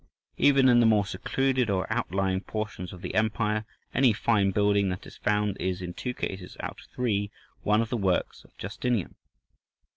Even in the more secluded or outlying portions of the empire, any fine building that is found is, in two cases out of three, one of the works of Justinian.